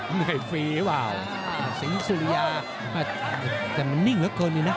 เหนื่อยฟรีหรือเปล่าสิงสุริยาแต่มันนิ่งเหลือเกินนี่นะ